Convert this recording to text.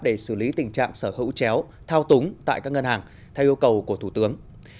để xử lý tình trạng sở hữu chéo thao túng tại các ngân hàng theo yêu cầu của thủ tướng